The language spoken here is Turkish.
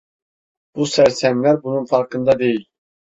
Bu sersemler bunun farkında değil.